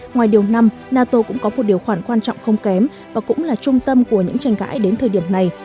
ngoài điều năm nato cũng có một điều khoản quan trọng không kém và cũng là trung tâm của những tranh cãi đến thời điểm này